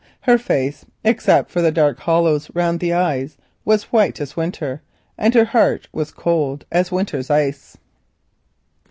Her face, except for the dark hollows round the eyes, was white as winter, and her heart was cold as winter's ice.